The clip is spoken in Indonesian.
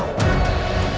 seharusnya minta musibah